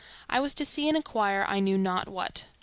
I was to see and acquire I knew not what.